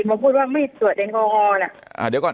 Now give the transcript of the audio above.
ผมพูดว่าไม่สวดแดงกอล